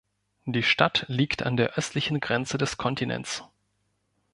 Die Stadt liegt an der östlichen Grenze des Kontinents.